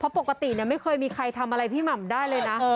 เพราะปกติไม่เคยมีใครทำอะไรพี่หม่ำได้เลยนะ